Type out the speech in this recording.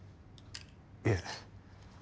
いえ。